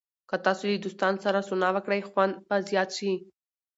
که تاسو له دوستانو سره سونا وکړئ، خوند به زیات شي.